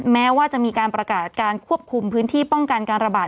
แม้ว่าจะมีการประกาศการควบคุมพื้นที่ป้องกันการระบาด